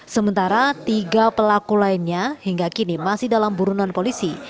sementara tiga pelaku lainnya hingga kini masih dalam burunan polisi